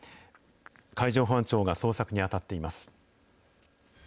海上保安庁が捜索に当たっています。